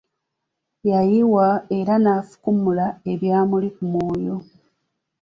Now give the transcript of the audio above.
Yayiwa era nafukumula ebyamuli ku mwoyo.